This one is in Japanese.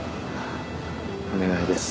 お願いです。